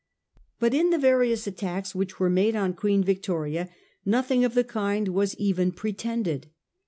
But in the various attacks which where made on Queen Victoria nothing of the kind was even pretended.